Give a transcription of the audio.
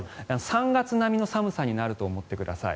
３月並みの寒さになると思ってください。